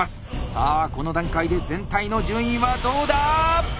さあこの段階で全体の順位はどうだ